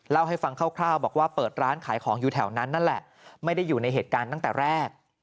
เล่าให้ฟังคร่าวบอกว่าเปิดร้านขายของอยู่แถวนั้นนั่นแหละไม่ได้อยู่ในเหตุการณ์ตั้งแต่แรก